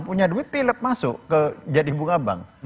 punya duit masuk ke jadi bunga bank